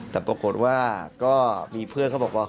แต่ปรากฏว่าก็มีเพื่อนเขาบอกว่า